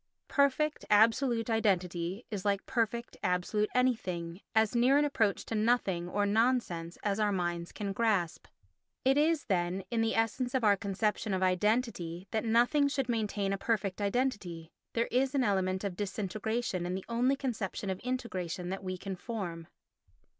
Perfect, absolute identity is like perfect, absolute anything—as near an approach to nothing, or nonsense, as our minds can grasp. It is, then, in the essence of our conception of identity that nothing should maintain a perfect identity; there is an element of disintegration in the only conception of integration that we can form.